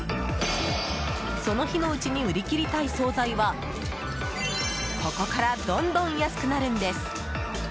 その日のうちに売り切りたい総菜はここからどんどん安くなるんです。